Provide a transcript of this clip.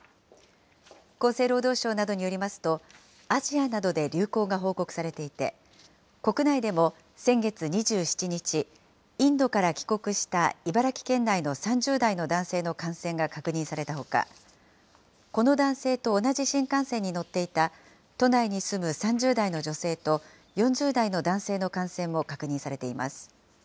厚生労働省などによりますと、アジアなどで流行が報告されていて、国内でも先月２７日、インドから帰国した茨城県内の３０代の男性の感染が確認されたほか、この男性と同じ新幹線に乗っていた都内に住む３０代の女性と４０代の男性の感染も確認されています。